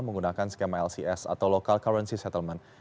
menggunakan skema lcs atau local currency settlement